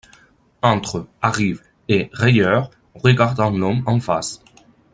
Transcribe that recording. Entre, arrive, et, railleur, regardant l’homme en face